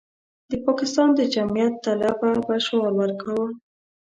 د پاکستان د جمعیت طلبه به شعار ورکاوه.